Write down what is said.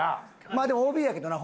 まあでもＯＢやけどな！